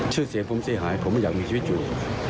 ชื่อเสียงผมจะหายผมอยากมีชีวิตอยู่